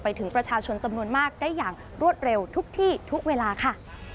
ถึงประชาชนจำนวนมากได้อย่างรวดเร็วทุกที่ทุกเวลาค่ะ